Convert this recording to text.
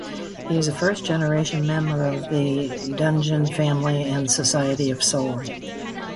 He is a first-generation member of the Dungeon Family and Society of Soul.